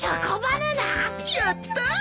やった！